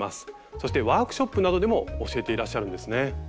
そしてワークショップなどでも教えていらっしゃるんですね。